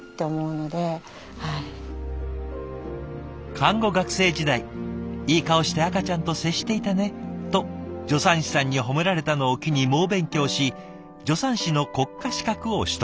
看護学生時代「いい顔して赤ちゃんと接していたね」と助産師さんに褒められたのを機に猛勉強し助産師の国家資格を取得。